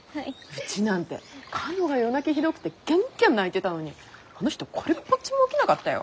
うちなんてかのが夜泣きひどくてギャンギャン泣いてたのにあの人これっぽっちも起きなかったよ。